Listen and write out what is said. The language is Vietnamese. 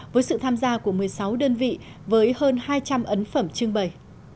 với sự tham gia của một mươi sáu đơn vị với hơn hai trăm linh ấn phẩm trưng bày